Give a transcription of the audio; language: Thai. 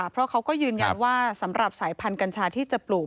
เพราะเขาก็ยืนยันว่าสำหรับสายพันธุ์กัญชาที่จะปลูก